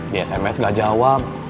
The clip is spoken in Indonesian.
di sms nggak jawab